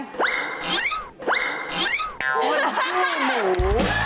คนชื่อหมู